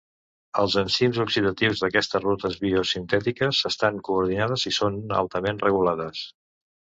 Els enzims oxidatius d'aquestes rutes biosintètiques estan coordinades i són altament regulades.